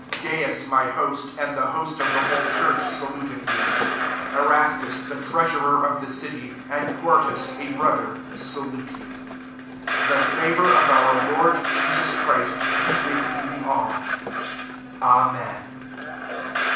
23 Gaius, my host, and ihe host of the whole church, saluteth you Erastus, the trea surer of the city, and Quartus, a brother, salute you. 24 The favour of our Lord Jesus Christ be with you all. Amen.